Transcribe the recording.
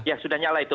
ya sudah nyala itu